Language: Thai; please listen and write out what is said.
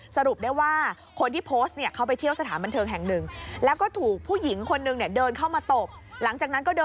สรุปได้ว่าคนที่โพสต์เขาไปเที่ยวสถานบันเทิงแห่งนึง